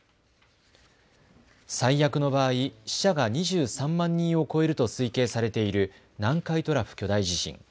最悪の場合、死者が２３万人を超えると推計されている南海トラフ巨大地震。